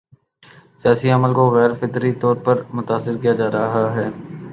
سیاسی عمل کو غیر فطری طور پر متاثر کیا جا رہا ہے۔